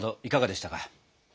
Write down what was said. いかがでしたか？